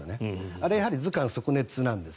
あれは頭寒足熱なんです。